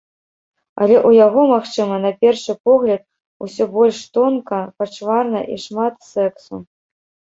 Але ў яго, магчыма, на першы погляд, усё больш тонка, пачварна і шмат сэксу.